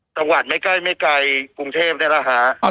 จังหวัดไม่ใกล้ไม่ไกลกรุงเทพนี่แหละฮะ